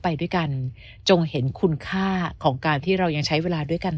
ไปด้วยกันจงเห็นคุณค่าของการที่เรายังใช้เวลาด้วยกัน